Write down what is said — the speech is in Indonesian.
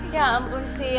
ya ampun sil